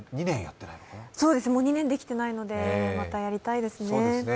もう２年できていないので、またやりたいですね。